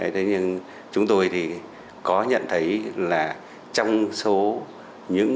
thế nhưng chúng tôi thì có nhận thấy là trong số những